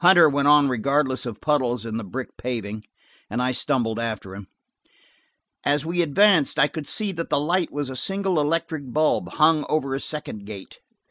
Hunter went on regardless of puddles in the brick paving, and I stumbled after him. As we advanced, I could see that the light was a single electric bulb, hung over a second gate.